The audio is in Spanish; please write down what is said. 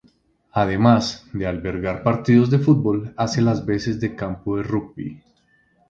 Además de albergar partidos de fútbol, hace las veces de campo de rugby.